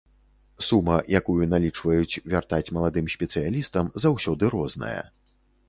Сума, якую налічваюць вяртаць маладым спецыялістам, заўсёды розная.